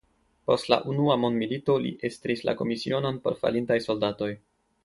Post la Unua mondmilito li estris la komisionon por falintaj soldatoj.